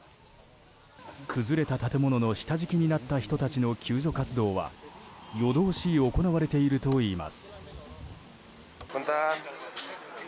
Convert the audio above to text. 崩れた建物の下敷きになった人たちの救助活動は夜通し行われているといいます。